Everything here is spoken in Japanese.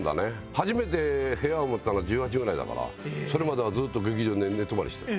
初めて部屋を持ったのは１８ぐらいだからそれまではずっと劇場で寝泊まりしてた。